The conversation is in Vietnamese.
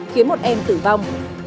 khiến một em tử vong